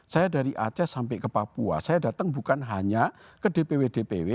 saya dari aceh sampai ke papua saya datang bukan hanya ke dpw dpw